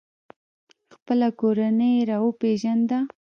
خپله کورنۍ یې را وپیژنده.